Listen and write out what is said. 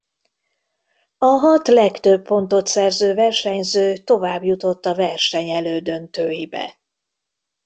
A hat legtöbb pontot szerző versenyző továbbjutott a verseny elődöntőibe.